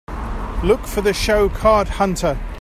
Look for the show Card Hunter